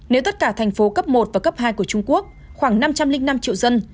nếu tất cả thành phố cấp một và cấp hai của trung quốc khoảng năm trăm linh năm triệu dân